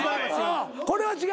これは違うな。